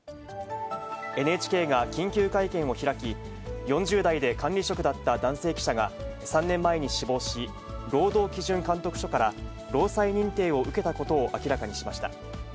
ＮＨＫが緊急会見を開き、４０代で管理職だった男性記者が、３年前に死亡し、労働基準監督署から、労災認定を受けたことを明らかにしました。